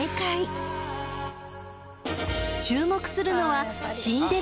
［注目するのは］